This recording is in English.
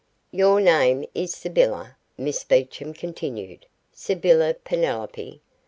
"Your name is Sybylla," Miss Beecham continued, "Sybylla Penelope.